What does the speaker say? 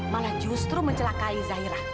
malah justru mencelakai zahira